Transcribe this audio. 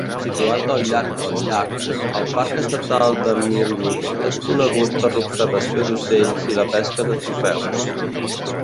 Situat al llarg del llac, el parc estatal de Millwood és conegut per l'observació d'ocells i la pesca de trofeus.